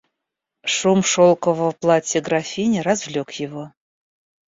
Шум шелкового платья графини развлек его.